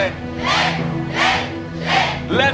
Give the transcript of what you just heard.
เล่นเล่น